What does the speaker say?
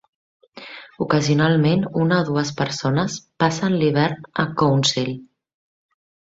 Ocasionalment una o dues persones passen l'hivern a Council.